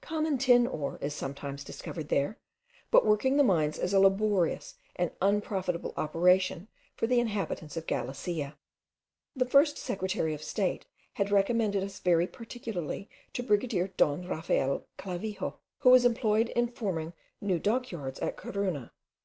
Common tin ore is sometimes discovered there, but working the mines is a laborious and unprofitable operation for the inhabitants of Galicia. The first secretary of state had recommended us very particularly to brigadier Don Raphael Clavijo, who was employed in forming new dock yards at Corunna.